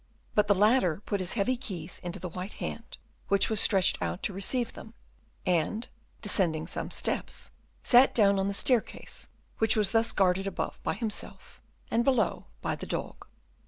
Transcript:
But the latter put his heavy keys into the white hand which was stretched out to receive them, and, descending some steps, sat down on the staircase which was thus guarded above by himself, and below by the dog.